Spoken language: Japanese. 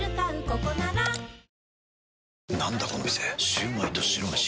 シュウマイと白めし。